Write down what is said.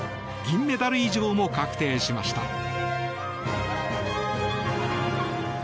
銀メダル以上も確定しました。